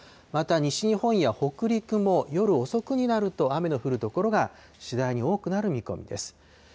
また、西日本や北陸も夜遅くになると、雨の降る所が次第に多くなる見込みです。